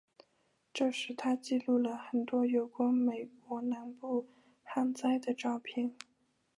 这时他记录了很多有关美国南部旱灾的照片。